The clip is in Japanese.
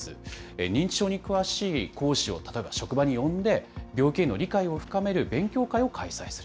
認知症に詳しい講師を、例えば職場に呼んで、病気への理解を深める勉強会を開催する。